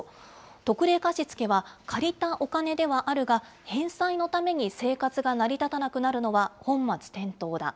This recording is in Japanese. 特例貸付は借りたお金ではあるが、返済のために生活が成り立たなくなるのは本末転倒だ。